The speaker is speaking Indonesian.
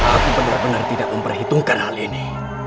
aku benar benar tidak memperhitungkan hal ini